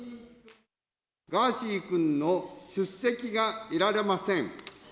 ガーシー君の出席が得られません。